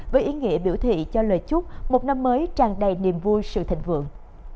với ý nghĩa biểu thị cho lời chúc một năm mới tràn đầy niềm vui sự thịnh vượng